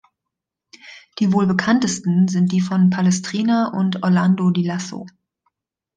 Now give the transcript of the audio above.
Die wohl bekanntesten sind die von Palestrina und Orlando di Lasso.